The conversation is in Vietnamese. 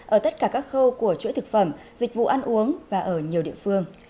ở tất cả các khâu của chuỗi thực phẩm dịch vụ ăn uống và ở nhiều địa phương